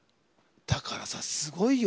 だからさすごいよ。